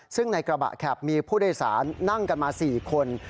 ซึ่งในกระบะแข็บมีผู้โดยสารนั่งกันมา๔คน